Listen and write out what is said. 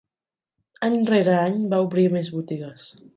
Any rere any, va obrir més botigues.